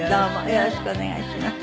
よろしくお願いします。